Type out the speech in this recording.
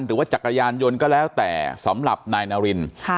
จักรยานยนต์ก็แล้วแต่สำหรับนายนาริน